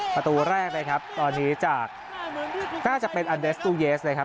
ประตูแรกนะครับตอนนี้จากน่าจะเป็นอันเดสตูเยสนะครับ